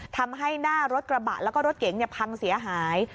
ทำให้หน้ารถกระบะแล้วก็รถเก๋งพังเสียหาย